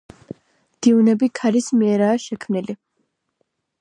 დიუნები ქარის მიერაა შექმნილი.